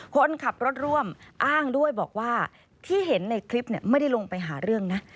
คนขับรถร่วมอ้างด้วยบอกว่าที่เห็นในคลิปไม่ได้ลงไปหาเรื่องนะ